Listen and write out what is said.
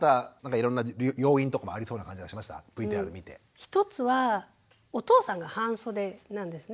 １つはお父さんが半袖なんですね。